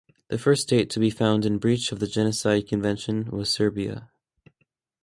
The first state to be found in breach of the Genocide convention was Serbia.